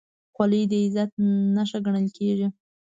خولۍ د عزت نښه ګڼل کېږي.